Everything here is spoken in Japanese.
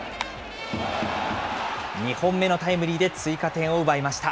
２本目のタイムリーで追加点を奪いました。